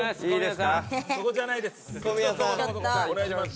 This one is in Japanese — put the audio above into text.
そこじゃないです。